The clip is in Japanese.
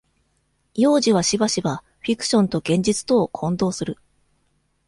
幼児は、しばしば、フィクションと現実とを、混同する。